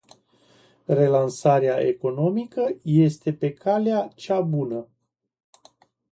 Relansarea economică este pe calea cea bună.